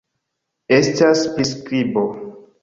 Estas priskribo